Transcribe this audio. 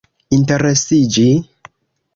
interesiĝi